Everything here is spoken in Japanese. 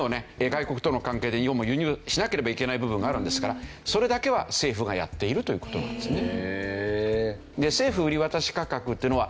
外国との関係で日本も輸入しなければいけない部分があるもんですからそれだけは政府がやっているという事なんですね。